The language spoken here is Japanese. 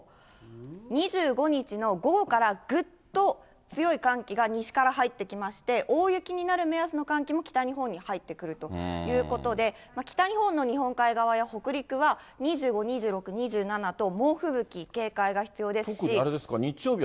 ２５日の午後からぐっと強い寒気が西から入ってきまして、大雪になる目安の寒気も北日本に入ってくるということで、北日本の日本海側や北陸は２５、２６、２７と猛吹雪、警戒が必要ですし。